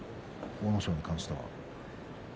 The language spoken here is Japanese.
阿武咲に対して。